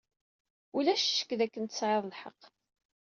Ulac ccek dakken tesɛiḍ lḥeqq.